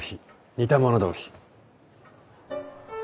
似た者同士。